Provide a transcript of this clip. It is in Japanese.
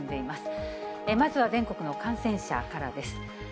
まずは全国の感染者からです。